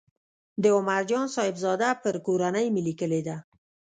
د عمر جان صاحبزاده پر کورنۍ مې لیکلې ده.